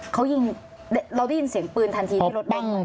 เขายิงเราได้ยินเสียงปืนทันทีที่รถบ้าง